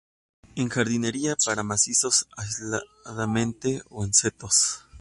En jardinería para macizos, aisladamente o en setos.